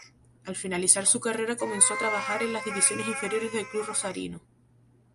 Al finalizar su carrera comenzó a trabajar en las divisiones inferiores del club rosarino.